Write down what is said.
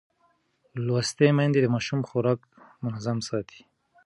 لوستې میندې د ماشوم خوراک منظم ساتي.